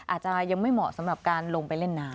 อาจจะยังไม่เหมาะสำหรับการลงไปเล่นน้ำ